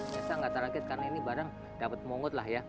biasa tidak terangkit karena ini barang dapat mungut